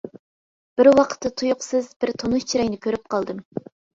بىر ۋاقىتتا تۇيۇقسىز بىر تونۇش چىراينى كۆرۈپ قالدىم.